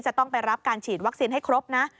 จะต้องไปรับการฉีดวัคซีนให้ครบนะ